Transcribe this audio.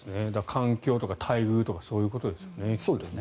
環境とか待遇とかそういうことですよね。